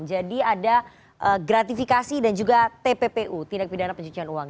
jadi ada gratifikasi dan juga tppu tindak pidana pencucian uang